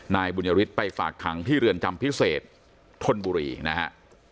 นายบุญยฤทธิ์ไปฝากขังที่เรือนจำพิเศษทนบุรีนะฮะ